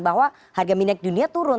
bahwa harga minyak dunia turun